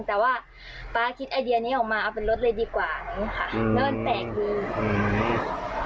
แต่ว่าป๊าคิดไอเดียนี้ออกมาเอาเป็นรถเลยดีกว่านี่ค่ะอืม